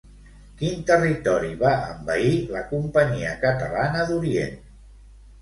Quin territori va envair la Companyia catalana d'Orient?